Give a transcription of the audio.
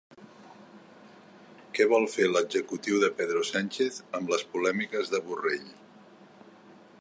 Què vol fer l'executiu de Pedro Sánchez amb les polèmiques de Borrell?